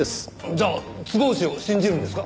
じゃあ坪内を信じるんですか？